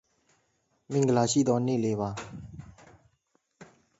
I will be serenaded by the birds singing melodiously in the background.